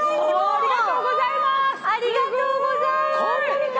ありがとうございます。